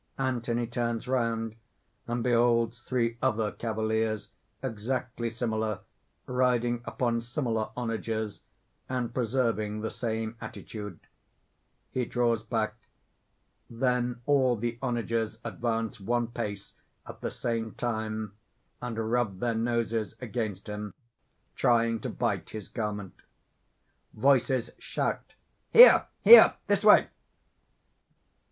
_ _Anthony turns round, and beholds three other cavaliers exactly similar, riding upon similar onagers, and preserving the same attitude._ _He draws back. Then all the onagers advance one pace at the same time, and rub their noses against him, trying to bite his garment. Voices shout_: "Here! here! this way!"